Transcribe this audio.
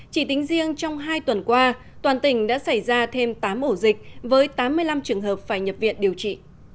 chỉ tính riêng trong hai tuần qua toàn tỉnh đã xảy ra thêm tám ổ dịch với tám mươi năm trường hợp phải nhập viện điều trị